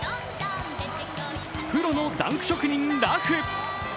プロのダンク職人・ラフ。